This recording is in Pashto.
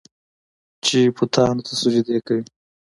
چې بوتانو ته سجدې کوي.